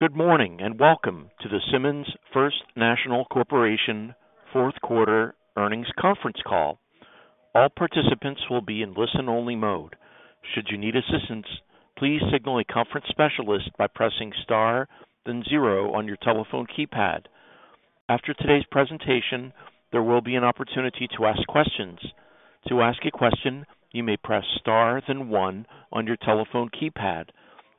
Good morning, and welcome to the Simmons First National Corporation Fourth Quarter Earnings Conference Call. All participants will be in listen-only mode. Should you need assistance, please signal a conference specialist by pressing star then zero on your telephone keypad. After today's presentation, there will be an opportunity to ask questions. To ask a question, you may press star then one on your telephone keypad.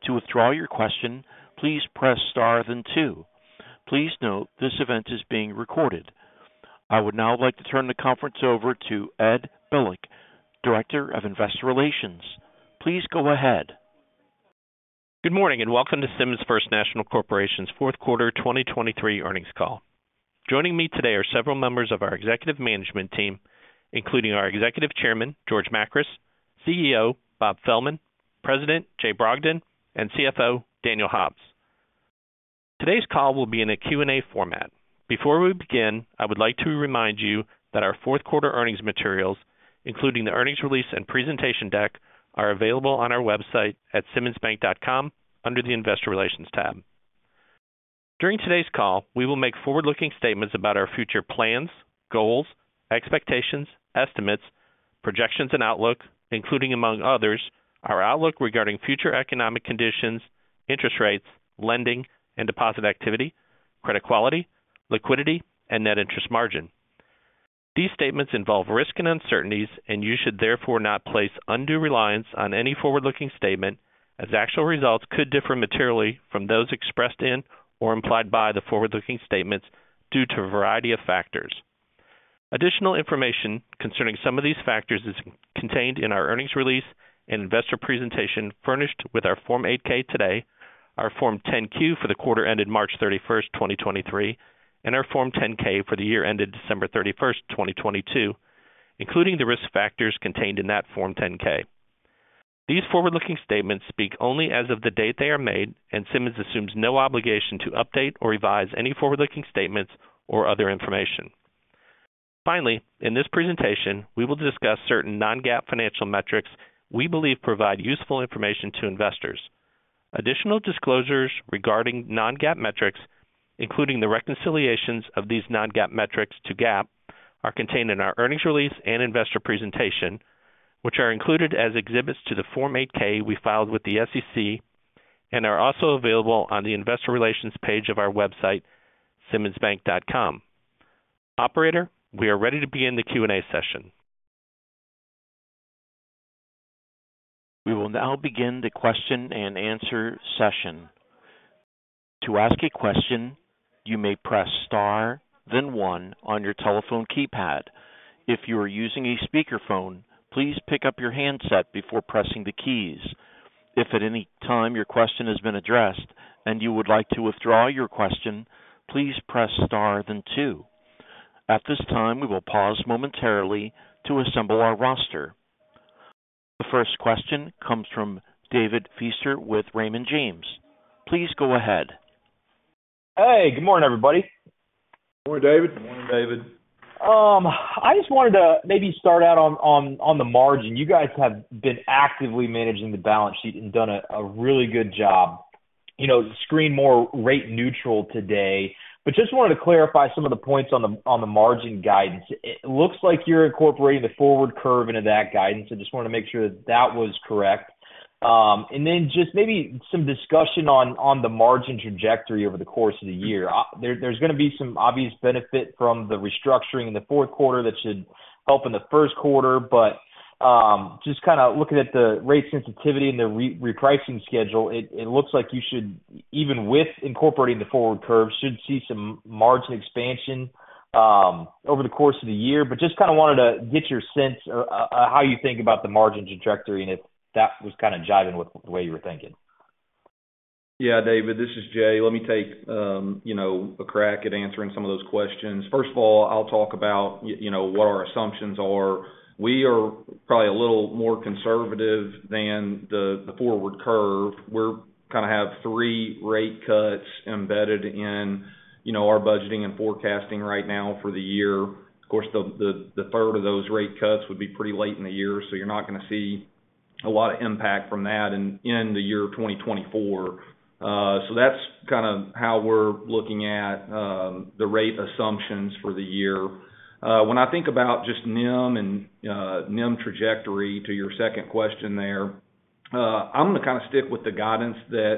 To withdraw your question, please press star then two. Please note, this event is being recorded. I would now like to turn the conference over to Ed Bilek, Director of Investor Relations. Please go ahead. Good morning, and welcome to Simmons First National Corporation's fourth quarter 2023 earnings call. Joining me today are several members of our executive management team, including our Executive Chairman, George Makris; CEO, Bob Fehlman; President, Jay Brogdon; and CFO, Daniel Hobbs. Today's call will be in a Q&A format. Before we begin, I would like to remind you that our fourth quarter earnings materials, including the earnings release and presentation deck, are available on our website at simmonsbank.com, under the Investor Relations tab. During today's call, we will make forward-looking statements about our future plans, goals, expectations, estimates, projections, and outlook, including, among others, our outlook regarding future economic conditions, interest rates, lending and deposit activity, credit quality, liquidity, and net interest margin. These statements involve risk and uncertainties, and you should therefore not place undue reliance on any forward-looking statement, as actual results could differ materially from those expressed in or implied by the forward-looking statements due to a variety of factors. Additional information concerning some of these factors is contained in our earnings release and investor presentation furnished with our Form 8-K today, our Form 10-Q for the quarter ended March 31st, 2023, and our Form 10-K for the year ended December 31st, 2022, including the risk factors contained in that Form 10-K. These forward-looking statements speak only as of the date they are made, and Simmons assumes no obligation to update or revise any forward-looking statements or other information. Finally, in this presentation, we will discuss certain non-GAAP financial metrics we believe provide useful information to investors. Additional disclosures regarding non-GAAP metrics, including the reconciliations of these non-GAAP metrics to GAAP, are contained in our earnings release and investor presentation, which are included as exhibits to the Form 8-K we filed with the SEC and are also available on the Investor Relations page of our website, simmonsbank.com. Operator, we are ready to begin the Q&A session. We will now begin the question-and-answer session. To ask a question, you may press star then one on your telephone keypad. If you are using a speakerphone, please pick up your handset before pressing the keys. If at any time your question has been addressed and you would like to withdraw your question, please press star then two. At this time, we will pause momentarily to assemble our roster. The first question comes from David Feaster with Raymond James. Please go ahead. Hey, good morning, everybody. Good morning, David. Good morning, David. I just wanted to maybe start out on the margin. You guys have been actively managing the balance sheet and done a really good job. You know, seem more rate neutral today, but just wanted to clarify some of the points on the margin guidance. It looks like you're incorporating the forward curve into that guidance. I just wanted to make sure that that was correct. And then just maybe some discussion on the margin trajectory over the course of the year. There's going to be some obvious benefit from the restructuring in the fourth quarter that should help in the first quarter. But just kind of looking at the rate sensitivity and the repricing schedule, it looks like you should, even with incorporating the forward curve, should see some margin expansion over the course of the year. But just kind of wanted to get your sense on how you think about the margin trajectory, and if that was kind of jiving with the way you were thinking. Yeah, David, this is Jay. Let me take, you know, a crack at answering some of those questions. First of all, I'll talk about you know, what our assumptions are. We are probably a little more conservative than the forward curve. We're kind of have three rate cuts embedded in, you know, our budgeting and forecasting right now for the year. Of course, the third of those rate cuts would be pretty late in the year, so you're not going to see a lot of impact from that in the year 2024. So that's kind of how we're looking at the rate assumptions for the year. When I think about just NIM and NIM trajectory, to your second question there, I'm going to kind of stick with the guidance that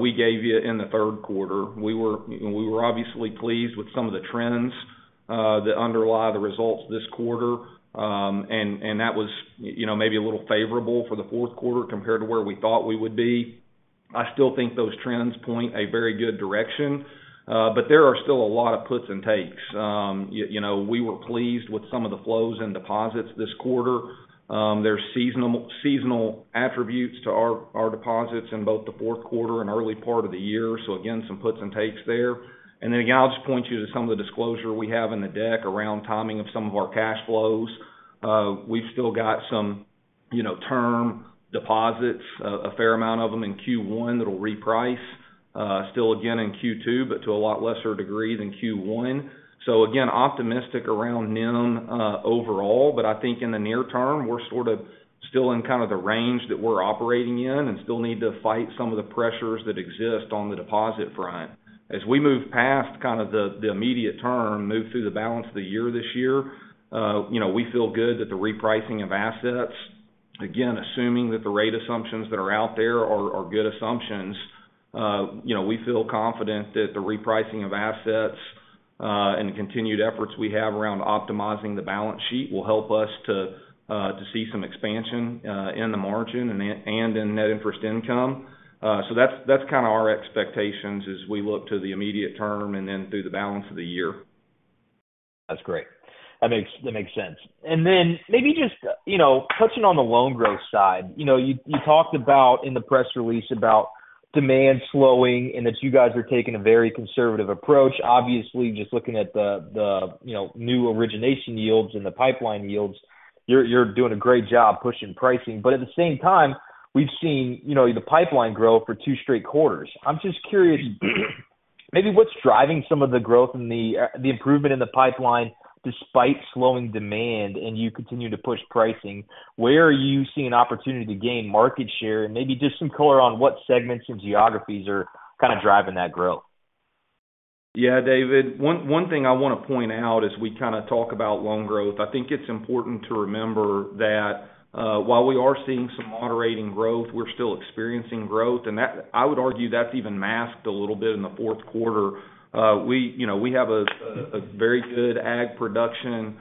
we gave you in the third quarter. We were, we were obviously pleased with some of the trends that underlie the results this quarter. And that was, you know, maybe a little favorable for the fourth quarter compared to where we thought we would be. I still think those trends point a very good direction, but there are still a lot of puts and takes. You know, we were pleased with some of the flows in deposits this quarter. There are seasonal attributes to our deposits in both the fourth quarter and early part of the year. So again, some puts and takes there. And then, again, I'll just point you to some of the disclosure we have in the deck around timing of some of our cash flows. We've still got some... You know, term deposits, a fair amount of them in Q1 that'll reprice, still again in Q2, but to a lot lesser degree than Q1. So again, optimistic around NIM, overall, but I think in the near term, we're sort of still in kind of the range that we're operating in, and still need to fight some of the pressures that exist on the deposit front. As we move past kind of the immediate term, move through the balance of the year this year, you know, we feel good that the repricing of assets, again, assuming that the rate assumptions that are out there are good assumptions, you know, we feel confident that the repricing of assets, and the continued efforts we have around optimizing the balance sheet, will help us to see some expansion in the margin and in net interest income. So that's kind of our expectations as we look to the immediate term and then through the balance of the year. That's great. That makes, that makes sense. And then maybe just, you know, touching on the loan growth side. You know, you, you talked about in the press release about demand slowing, and that you guys are taking a very conservative approach. Obviously, just looking at the, the, you know, new origination yields and the pipeline yields, you're, you're doing a great job pushing pricing. But at the same time, we've seen, you know, the pipeline grow for two straight quarters. I'm just curious, maybe what's driving some of the growth and the, the improvement in the pipeline despite slowing demand, and you continue to push pricing. Where are you seeing opportunity to gain market share? And maybe just some color on what segments and geographies are kind of driving that growth. Yeah, David, one thing I want to point out as we kind of talk about loan growth, I think it's important to remember that, while we are seeing some moderating growth, we're still experiencing growth. And that I would argue that's even masked a little bit in the fourth quarter. We, you know, we have a very good ag production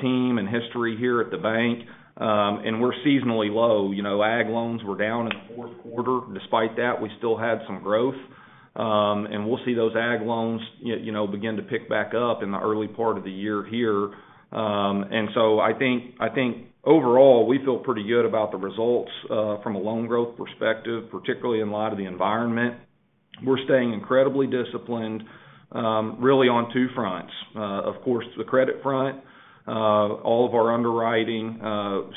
team and history here at the bank, and we're seasonally low. You know, ag loans were down in the fourth quarter. Despite that, we still had some growth. And we'll see those ag loans, you know, begin to pick back up in the early part of the year here. And so I think overall, we feel pretty good about the results from a loan growth perspective, particularly in light of the environment. We're staying incredibly disciplined, really on two fronts. Of course, the credit front, all of our underwriting,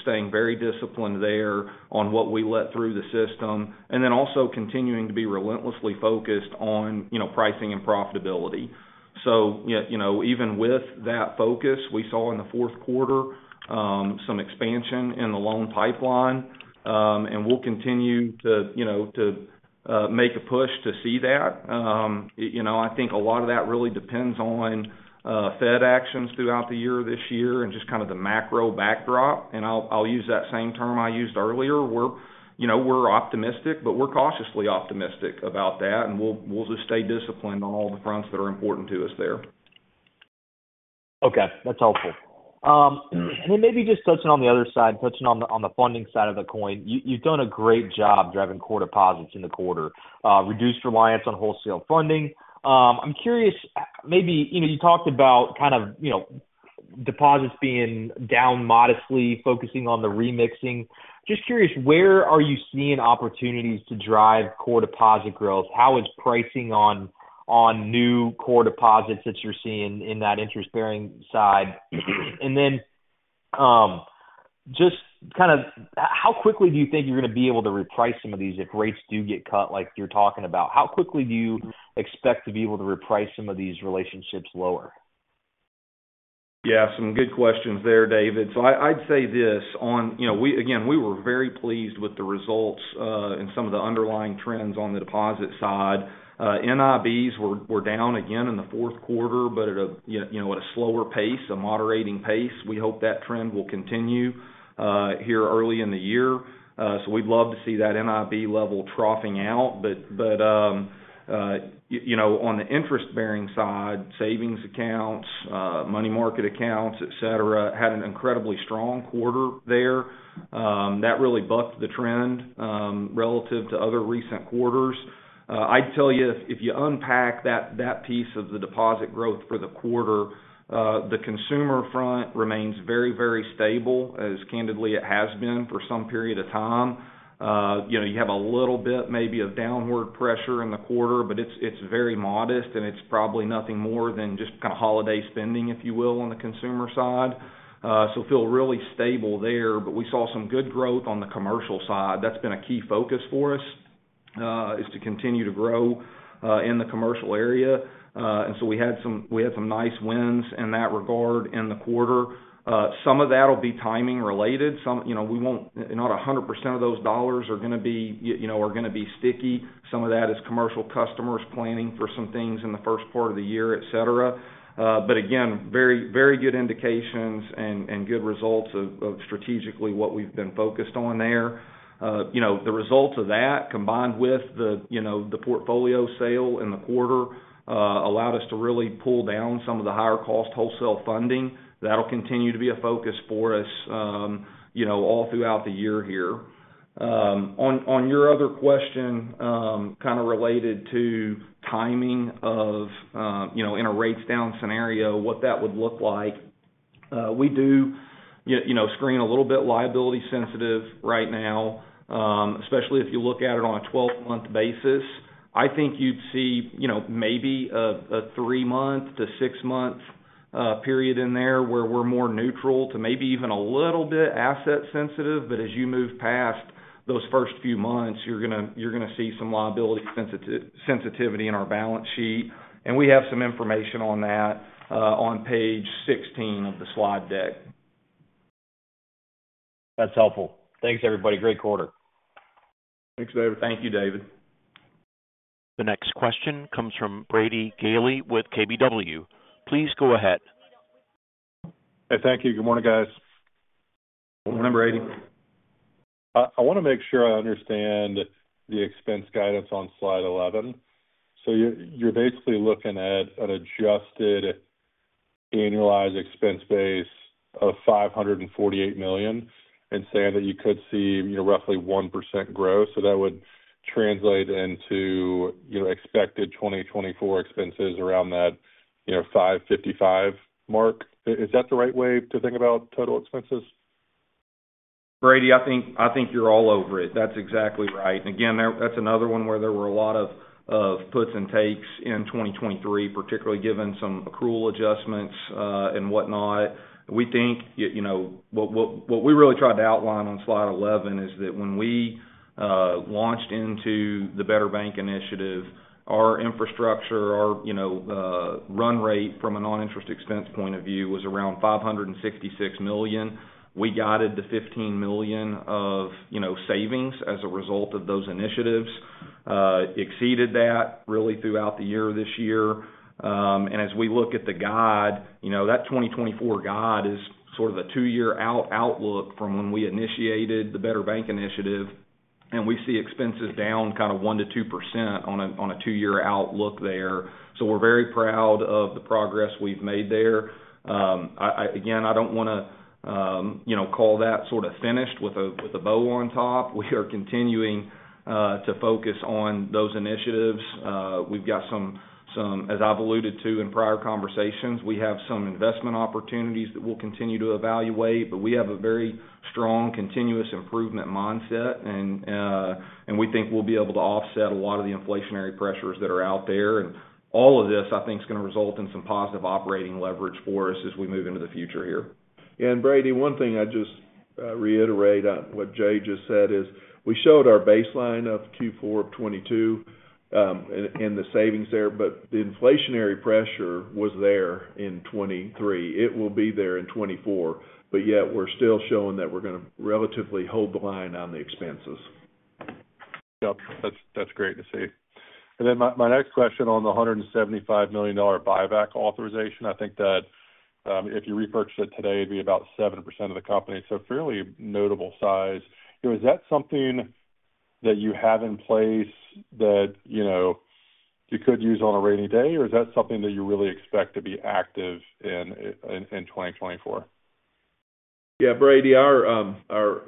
staying very disciplined there on what we let through the system, and then also continuing to be relentlessly focused on, you know, pricing and profitability. So, yeah, you know, even with that focus, we saw in the fourth quarter, some expansion in the loan pipeline, and we'll continue to, you know, to make a push to see that. You know, I think a lot of that really depends on, Fed actions throughout the year this year, and just kind of the macro backdrop. And I'll, I'll use that same term I used earlier. We're, you know, we're optimistic, but we're cautiously optimistic about that, and we'll, we'll just stay disciplined on all the fronts that are important to us there. Okay, that's helpful. And then maybe just touching on the other side, on the funding side of the coin. You've done a great job driving core deposits in the quarter, reduced reliance on wholesale funding. I'm curious, maybe... You know, you talked about kind of, you know, deposits being down modestly, focusing on the remixing. Just curious, where are you seeing opportunities to drive core deposit growth? How is pricing on new core deposits that you're seeing in that interest-bearing side? And then, just kind of how quickly do you think you're going to be able to reprice some of these if rates do get cut, like you're talking about? How quickly do you expect to be able to reprice some of these relationships lower? Yeah, some good questions there, David. So I'd say this on... You know, again, we were very pleased with the results and some of the underlying trends on the deposit side. NIBs were down again in the fourth quarter, but at a, you know, at a slower pace, a moderating pace. We hope that trend will continue here early in the year. So we'd love to see that NIB level troughing out. But you know, on the interest-bearing side, savings accounts, money market accounts, et cetera, had an incredibly strong quarter there. That really bucked the trend relative to other recent quarters. I'd tell you, if you unpack that piece of the deposit growth for the quarter, the consumer front remains very, very stable, as candidly it has been for some period of time. You know, you have a little bit maybe of downward pressure in the quarter, but it's very modest, and it's probably nothing more than just kind of holiday spending, if you will, on the consumer side. So feel really stable there, but we saw some good growth on the commercial side. That's been a key focus for us, is to continue to grow, in the commercial area. And so we had some nice wins in that regard in the quarter. Some of that will be timing related. Some, you know, we won't not 100% of those dollars are going to be, you know, are going to be sticky. Some of that is commercial customers planning for some things in the first part of the year, et cetera. But again, very, very good indications and good results of strategically what we've been focused on there. You know, the results of that, combined with the, you know, the portfolio sale in the quarter, allowed us to really pull down some of the higher-cost wholesale funding. That'll continue to be a focus for us, you know, all throughout the year here. On your other question, kind of related to timing of, you know, in a rates down scenario, what that would look like, we do, yeah, you know, screen a little bit liability sensitive right now, especially if you look at it on a 12-month basis. I think you'd see, you know, maybe a 3-month to 6-month period in there where we're more neutral to maybe even a little bit asset sensitive. But as you move past those first few months, you're gonna see some liability sensitivity in our balance sheet, and we have some information on that, on page 16 of the slide deck. That's helpful. Thanks, everybody. Great quarter. Thanks, David. Thank you, David. The next question comes from Brady Gailey with KBW. Please go ahead. Hey, thank you. Good morning, guys. Good morning, Brady. I want to make sure I understand the expense guidance on Slide 11. So you're, you're basically looking at an adjusted annualized expense base of $548 million, and saying that you could see, you know, roughly 1% growth. So that would translate into, you know, expected 2024 expenses around that, you know, $555 mark. Is that the right way to think about total expenses? Brady, I think, I think you're all over it. That's exactly right. And again, that's another one where there were a lot of, of puts and takes in 2023, particularly given some accrual adjustments, and whatnot. We think, you know, what, what, what we really tried to outline on slide 11 is that when we, launched into the Better Bank Initiative, our infrastructure, our, you know, run rate from a non-interest expense point of view, was around $566 million. We guided the $15 million of, you know, savings as a result of those initiatives, exceeded that really throughout the year, this year. As we look at the guide, you know, that 2024 guide is sort of a two-year outlook from when we initiated the Better Bank Initiative, and we see expenses down kind of 1%-2% on a two-year outlook there. So we're very proud of the progress we've made there. I again don't wanna, you know, call that sort of finished with a bow on top. We are continuing to focus on those initiatives. We've got some... As I've alluded to in prior conversations, we have some investment opportunities that we'll continue to evaluate, but we have a very strong continuous improvement mindset, and we think we'll be able to offset a lot of the inflationary pressures that are out there. All of this, I think, is gonna result in some positive operating leverage for us as we move into the future here. Brady, one thing I'd just reiterate on what Jay just said is: we showed our baseline of Q4 of 2020, and the savings there, but the inflationary pressure was there in 2023. It will be there in 2024, but yet we're still showing that we're gonna relatively hold the line on the expenses. Yep, that's, that's great to see. And then my, my next question on the $175 million buyback authorization. I think that, if you repurchased it today, it'd be about 7% of the company, so fairly notable size. Is that something that you have in place that, you know, you could use on a rainy day, or is that something that you really expect to be active in, in, in 2024? Yeah, Brady, our our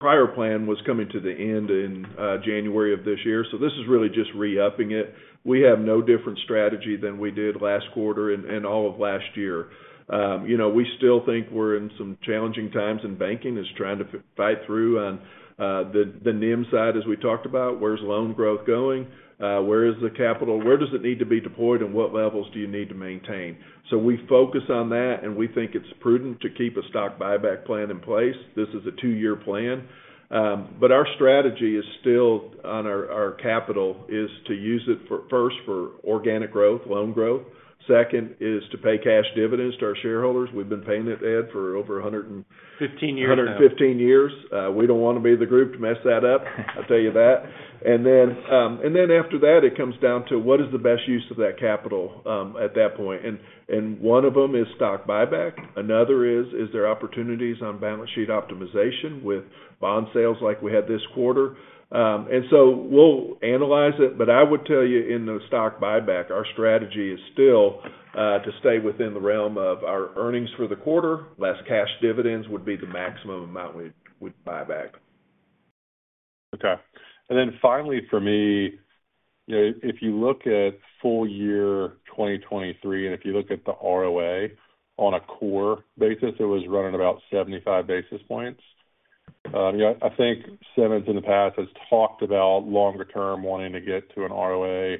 prior plan was coming to the end in January of this year, so this is really just re-upping it. We have no different strategy than we did last quarter and all of last year. You know, we still think we're in some challenging times, and banking is trying to fight through on the NIM side, as we talked about. Where's loan growth going? Where is the capital? Where does it need to be deployed, and what levels do you need to maintain? So we focus on that, and we think it's prudent to keep a stock buyback plan in place. This is a two-year plan. But our strategy is still, on our capital, is to use it first for organic growth, loan growth. Second, is to pay cash dividends to our shareholders. We've been paying that, Ed, for over 100 and- 15 years now. 115 years. We don't want to be the group to mess that up. I'll tell you that. And then, after that, it comes down to: What is the best use of that capital at that point? And one of them is stock buyback. Another is: Is there opportunities on balance sheet optimization with bond sales like we had this quarter? And so we'll analyze it, but I would tell you, in the stock buyback, our strategy is still to stay within the realm of our earnings for the quarter. Less cash dividends would be the maximum amount we'd buy back. Okay. And then finally, for me, you know, if you look at full year 2023, and if you look at the ROA on a core basis, it was running about 75 basis points. You know, I think Simmons, in the past, has talked about longer term, wanting to get to an ROA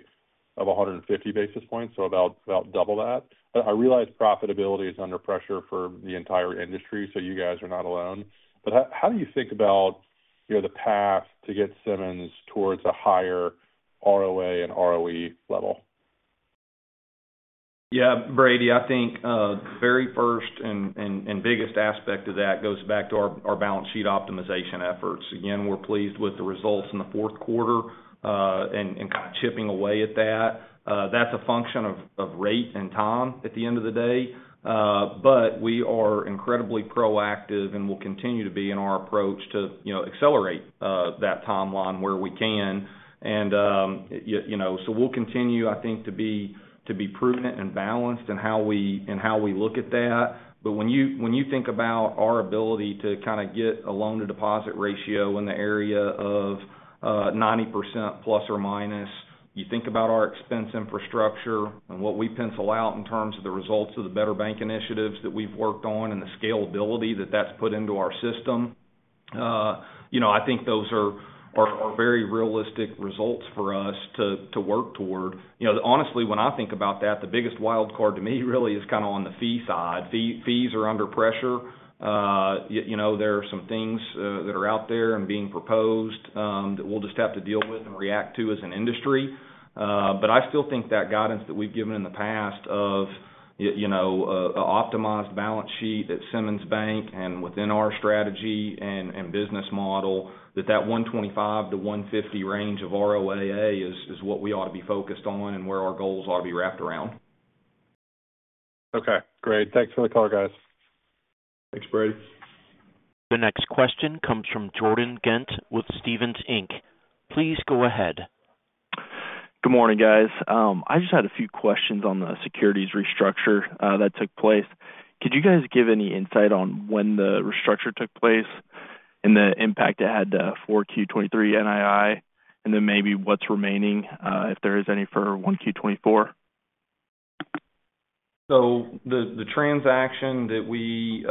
of 150 basis points, so about, about double that. I realize profitability is under pressure for the entire industry, so you guys are not alone. But how, how do you think about, you know, the path to get Simmons towards a higher ROA and ROE level? Yeah, Brady, I think very first and biggest aspect of that goes back to our balance sheet optimization efforts. Again, we're pleased with the results in the fourth quarter and kind of chipping away at that. That's a function of rate and time at the end of the day, but we are incredibly proactive and will continue to be in our approach to, you know, accelerate that timeline where we can. And you know, so we'll continue, I think, to be prudent and balanced in how we look at that. But when you think about our ability to kind of get a loan-to-deposit ratio in the area of 90% ±, you think about our expense infrastructure and what we pencil out in terms of the results of the Better Bank initiatives that we've worked on and the scalability that that's put into our system. You know, I think those are very realistic results for us to work toward. You know, honestly, when I think about that, the biggest wild card to me really is kind of on the fee side. Fees are under pressure. You know, there are some things that are out there and being proposed that we'll just have to deal with and react to as an industry. But I still think that guidance that we've given in the past of, you know, a optimized balance sheet at Simmons Bank and within our strategy and business model, that 125-150 range of ROAA is what we ought to be focused on and where our goals ought to be wrapped around. Okay, great. Thanks for the call, guys. Thanks, Brady. The next question comes from Jordan Ghent with Stephens Inc. Please go ahead. Good morning, guys. I just had a few questions on the securities restructure that took place. Could you guys give any insight on when the restructure took place and the impact it had for Q 2023 NII, and then maybe what's remaining, if there is any, for 1Q 2024? So the transaction that we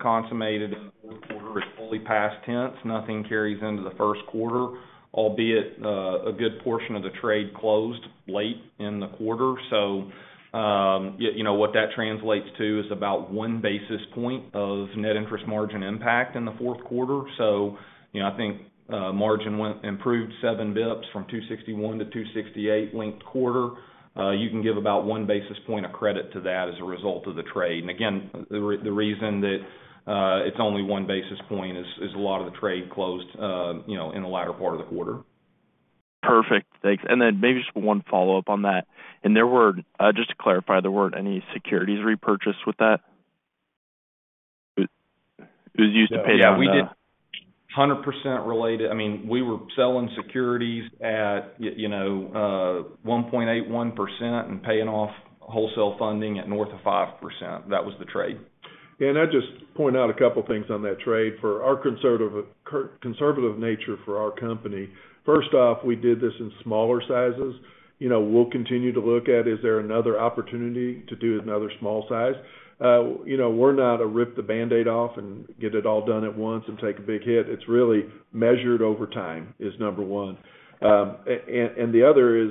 consummated in the fourth quarter is fully past tense. Nothing carries into the first quarter, albeit a good portion of the trade closed late in the quarter. So you know, what that translates to is about 1 basis point of net interest margin impact in the fourth quarter. So you know, I think margin improved seven basis points from 261 to 268 linked-quarter. You can give about 1 basis point of credit to that as a result of the trade. And again, the reason that it's only 1 basis point is a lot of the trade closed you know, in the latter part of the quarter. Perfect. Thanks. And then maybe just one follow-up on that. And there were... just to clarify, there weren't any securities repurchased with that? It, it was used to pay down the- 100% related. I mean, we were selling securities at, you know, 1.81% and paying off wholesale funding at north of 5%. That was the trade. I'd just point out a couple of things on that trade. For our conservative nature for our company, first off, we did this in smaller sizes. You know, we'll continue to look at, is there another opportunity to do another small size? You know, we're not a rip the Band-Aid off and get it all done at once and take a big hit. It's really measured over time, is number one. And the other is,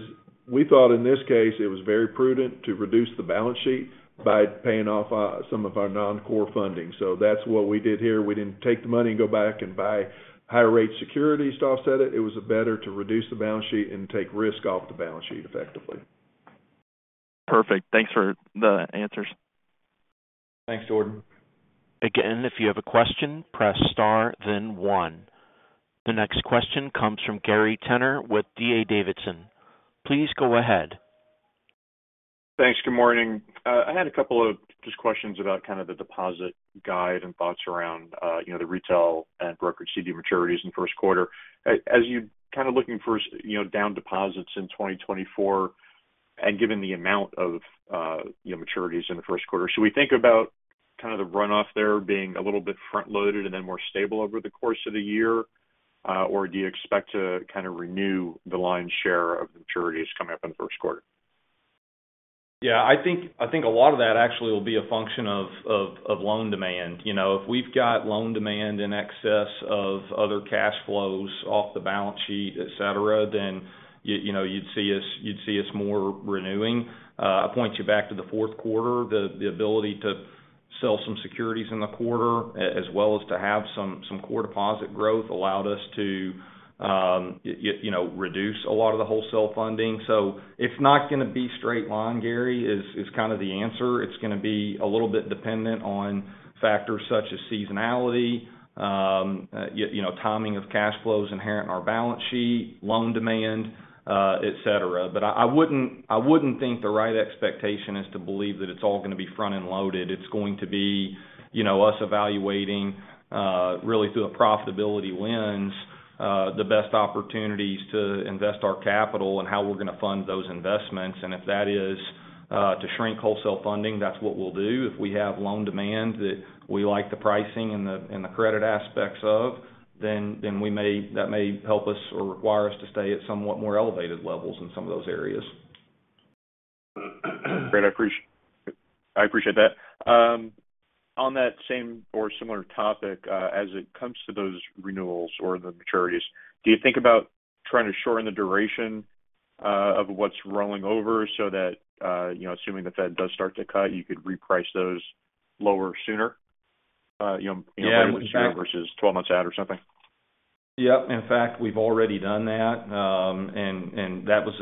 we thought in this case it was very prudent to reduce the balance sheet by paying off some of our non-core funding. So that's what we did here. We didn't take the money and go back and buy higher rate securities to offset it. It was better to reduce the balance sheet and take risk off the balance sheet effectively. Perfect. Thanks for the answers. Thanks, Jordan. Again, if you have a question, press star, then one. The next question comes from Gary Tenner with D.A. Davidson. Please go ahead. Thanks. Good morning. I had a couple of just questions about kind of the deposit guide and thoughts around, you know, the retail and brokerage CD maturities in the first quarter. As you're kind of looking for, you know, down deposits in 2024, and given the amount of, you know, maturities in the first quarter, should we think about kind of the runoff there being a little bit front-loaded and then more stable over the course of the year? Or do you expect to kind of renew the lion's share of maturities coming up in the first quarter? Yeah, I think, I think a lot of that actually will be a function of loan demand. You know, if we've got loan demand in excess of other cash flows off the balance sheet, et cetera, then you know, you'd see us more renewing. I point you back to the fourth quarter. The ability to sell some securities in the quarter, as well as to have some core deposit growth, allowed us to, you know, reduce a lot of the wholesale funding. So it's not going to be straight line, Gary, is kind of the answer. It's going to be a little bit dependent on factors such as seasonality, you know, timing of cash flows inherent in our balance sheet, loan demand, et cetera. But I wouldn't think the right expectation is to believe that it's all going to be front-end loaded. It's going to be, you know, us evaluating really through a profitability lens the best opportunities to invest our capital and how we're going to fund those investments. And if that is to shrink wholesale funding, that's what we'll do. If we have loan demand that we like the pricing and the credit aspects of, then that may help us or require us to stay at somewhat more elevated levels in some of those areas. Great, I appreciate that. On that same or similar topic, as it comes to those renewals or the maturities, do you think about trying to shorten the duration of what's rolling over so that, you know, assuming the Fed does start to cut, you could reprice those lower sooner, you know, versus 12 months out or something? Yeah, in fact, we've already done that. And that was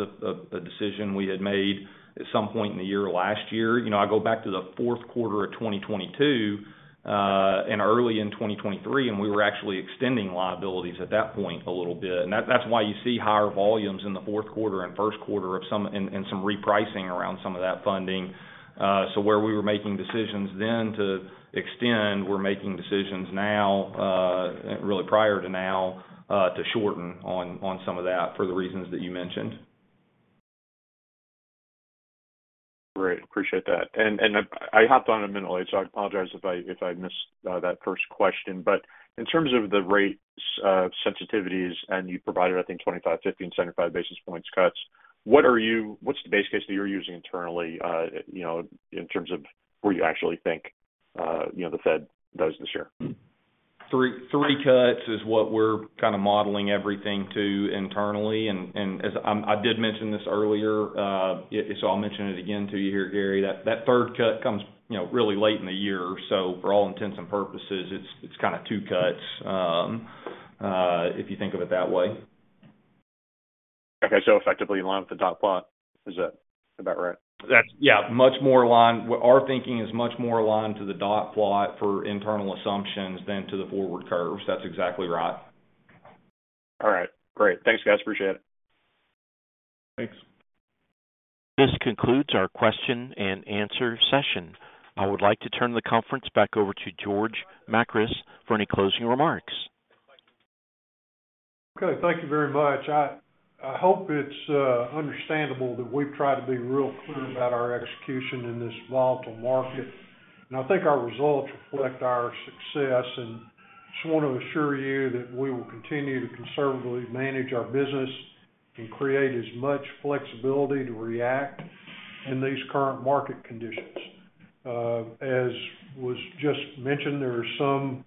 a decision we had made at some point in the year last year. You know, I go back to the fourth quarter of 2022, and early in 2023, and we were actually extending liabilities at that point a little bit. And that's why you see higher volumes in the fourth quarter and first quarter of some, and some repricing around some of that funding. So where we were making decisions then to extend, we're making decisions now, really prior to now, to shorten on some of that for the reasons that you mentioned. Great. Appreciate that. And I hopped on a minute late, so I apologize if I missed that first question. But in terms of the rates sensitivities, and you provided, I think, 25, 50, and 75 basis points cuts, what are you—what's the base case that you're using internally, you know, in terms of where you actually think the Fed does this year? 3, 3 cuts is what we're kind of modeling everything to internally. And as I did mention this earlier, so I'll mention it again to you here, Gary, that the third cut comes, you know, really late in the year. So for all intents and purposes, it's kind of 2 cuts, if you think of it that way. Okay. Effectively in line with the dot plot. Is that about right? That's... Yeah, much more aligned. Our thinking is much more aligned to the dot plot for internal assumptions than to the forward curves. That's exactly right. All right, great. Thanks, guys. Appreciate it. Thanks. This concludes our question-and-answer session. I would like to turn the conference back over to George Makris for any closing remarks. Okay, thank you very much. I hope it's understandable that we've tried to be real clear about our execution in this volatile market, and I think our results reflect our success. Just want to assure you that we will continue to conservatively manage our business and create as much flexibility to react in these current market conditions. As was just mentioned, there is some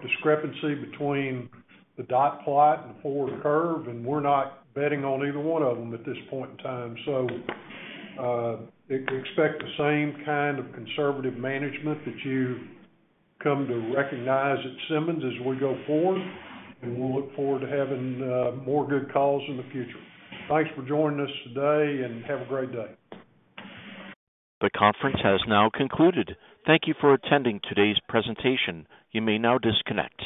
discrepancy between the Dot plot and the Forward curve, and we're not betting on either one of them at this point in time. Expect the same kind of conservative management that you've come to recognize at Simmons as we go forward, and we'll look forward to having more good calls in the future. Thanks for joining us today, and have a great day. The conference has now concluded. Thank you for attending today's presentation. You may now disconnect.